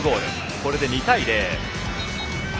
これで２対０。